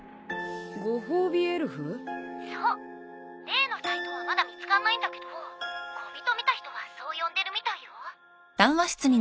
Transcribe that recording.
例のサイトはまだ見つかんないんだけど小人見た人はそう呼んでるみたいよ。